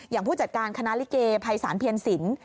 ผู้จัดการคณะลิเกภัยสารเพียรสิน